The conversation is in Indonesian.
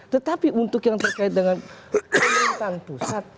tetapi untuk yang terkait dengan pemerintahan pusat